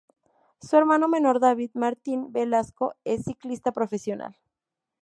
Su hermano menor David Martín Velasco es ciclista profesional.